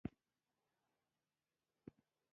ستا خو به ډېره خوا نه بدېږي.